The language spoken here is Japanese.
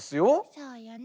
そうよね。